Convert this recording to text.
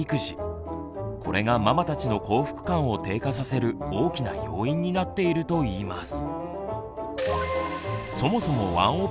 これがママたちの幸福感を低下させる大きな要因になっているといいます。